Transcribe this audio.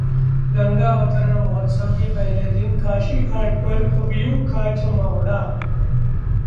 गंगा अवतरण महोत्सव के पहले दिन काशी घाट पर कवियों का जमावड़ा